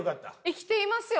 生きていますよ。